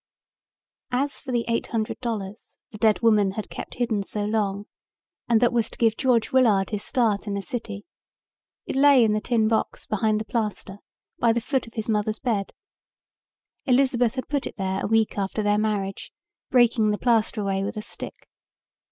As for the eight hundred dollars the dead woman had kept hidden so long and that was to give George Willard his start in the city, it lay in the tin box behind the plaster by the foot of his mother's bed. Elizabeth had put it there a week after her marriage, breaking the plaster away with a stick.